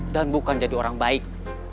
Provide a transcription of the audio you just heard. dan bukan jadi orang baik